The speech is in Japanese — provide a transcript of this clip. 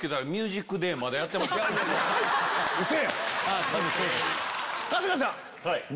ウソやん⁉